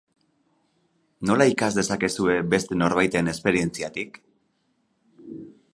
Nola ikas dezakezu beste norbaiten esperientziatik?